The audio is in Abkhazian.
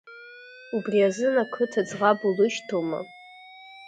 Убри азын ақыҭа ӡӷаб улышьҭоума?